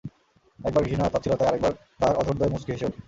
একবার ঘৃণা আর তাচ্ছিল্যতায়, আরেকবার তার অধরদ্বয় মুচকি হেসে ওঠে।